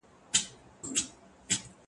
کتابونه بايد په ښه ژبه وليکل شي.